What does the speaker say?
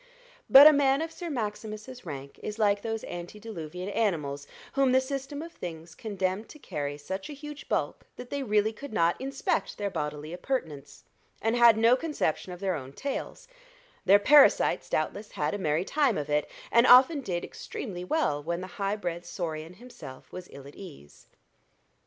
But a man of Sir Maximus's rank is like those antediluvian animals whom the system of things condemned to carry such a huge bulk that they really could not inspect their bodily appurtenance, and had no conception of their own tails: their parasites doubtless had a merry time of it, and often did extremely well when the high bred saurian himself was ill at ease.